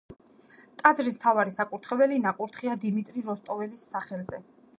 ტაძრის მთავარი საკურთხეველი ნაკურთხია დიმიტრი როსტოველის სახელზე.